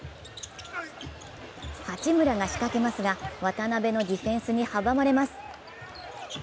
八村が仕掛けますが、渡邊のディフェンスに阻まれます。